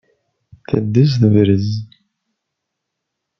Teddez tebrez!